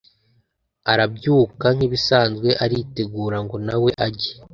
arabyuka nkibisanze aritegura ngo nawe ajye